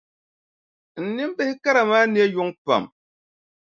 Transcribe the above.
N nimbihi kara maa ne yuŋ pam.